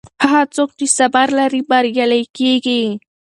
هغه څوک چې صبر لري بریالی کیږي.